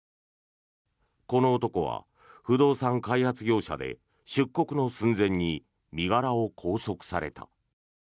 この男は不動産開発業者で出国の寸前に身柄を拘束された。